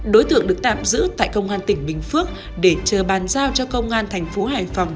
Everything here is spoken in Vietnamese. đối tượng được tạm giữ tại công an tỉnh bình phước để chờ bàn giao cho công an thành phố hải phòng